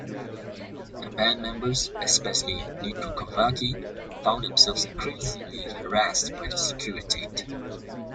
The band members, especially Nicu Covaci, found themselves increasingly harassed by the Securitate.